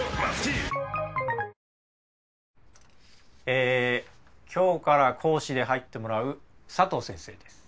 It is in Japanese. ええ今日から講師で入ってもらう佐藤先生です。